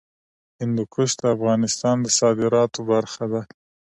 هندوکش د افغانستان د صادراتو برخه ده.